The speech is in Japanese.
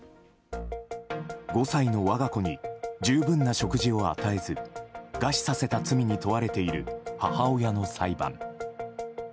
５歳の我が子に十分な食事を与えず餓死させた罪に問われている母親の裁判。